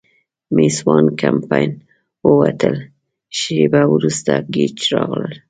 مېس وان کمپن ووتل، شیبه وروسته ګېج راغلل.